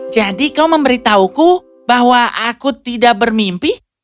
jadi kau memberitahuku bahwa aku tidak bermimpi